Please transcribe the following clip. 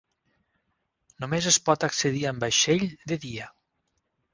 Només es pot accedir amb vaixell de dia.